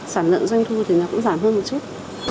sản lượng doanh thu thì nó cũng giảm hơn một chút